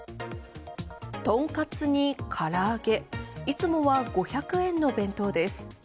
とんかつにから揚げいつもは５００円の弁当です。